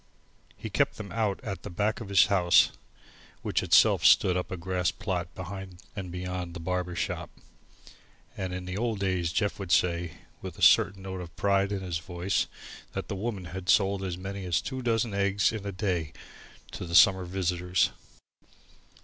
He kept them out at the back of his house, which itself stood up a grass plot behind and beyond the barber shop, and in the old days Jeff would say, with a certain note of pride in his voice, that The Woman had sold as many as two dozen eggs in a day to the summer visitors.